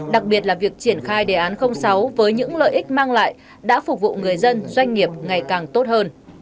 đặc biệt là việc triển khai đề án sáu với những lợi ích mang lại đã phục vụ người dân doanh nghiệp ngày càng tốt hơn